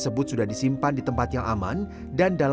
atau men mesmohkan hal ini